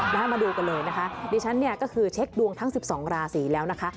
มาดูกันเลยนะคะดิฉันเนี่ยก็คือเช็คดวงทั้ง๑๒ราศีแล้วนะคะ